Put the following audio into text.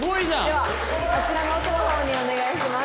ではあちらの奥の方にお願いします。